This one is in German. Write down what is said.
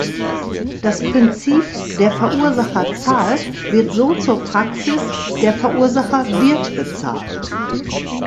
Das Prinzip "Der Verursacher zahlt" wird so zur Praxis "Der Verursacher wird bezahlt"!